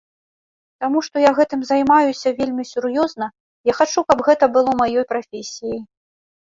Таму што я гэтым займаюся вельмі сур'ёзна, я хачу, каб гэта было маёй прафесіяй.